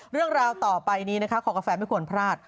เรื่องราวต่อไปนี้นะคะคอกาแฟไม่ควรพลาด